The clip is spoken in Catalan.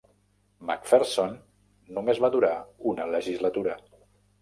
McPherson només va durar una legislatura.